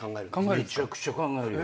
めちゃくちゃ考えるよ。